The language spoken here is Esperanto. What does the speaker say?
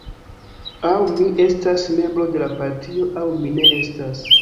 Aŭ mi estas membro de la partio aŭ mi ne estas.